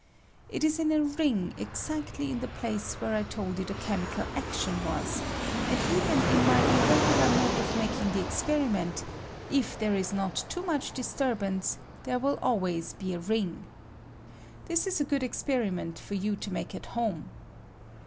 It is in a ring, exactly in the place where I told you the chemical action was ; and I I J r AIB NECES8AET FOR COMBTJSTION. 45 even in my irregular mode of making the ex periment, if there is not too much disturbance, there will always be a ring. This is a good esperiment for you to make at home.